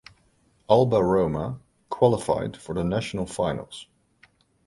Alba Roma qualified for the National Finals.